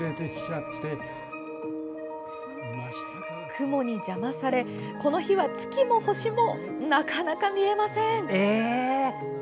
雲に邪魔され、この日は月も星も、なかなか見えません。